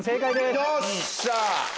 よっしゃ！